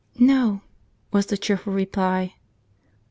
"No," was the cheerful reply.